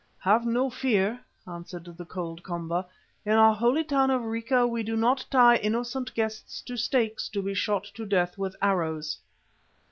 "Have no fear," answered the cold Komba, "in our holy town of Rica we do not tie innocent guests to stakes to be shot to death with arrows."